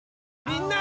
みんな！